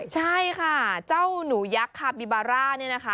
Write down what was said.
ใช่ค่ะเจ้าหนูยักษ์คาร์บีบาล่าส์